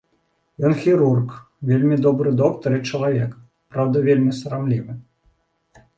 Ён хірург, вельмі добры доктар і чалавек, праўда вельмі сарамлівы.